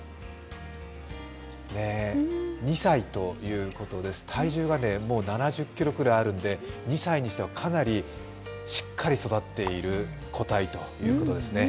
２歳ということで、体重がもう７０ｋｇぐらいあるので、２歳にしてはかなりしっかり育っている個体ということですね。